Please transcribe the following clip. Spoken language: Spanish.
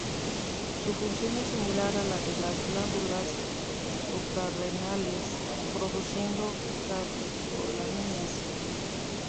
Su función es similar a la de las glándulas suprarrenales; produciendo catecolaminas.